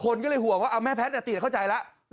คนก็เลยห่วงว่าแม่แพทย์ติดเข้าใจแล้ว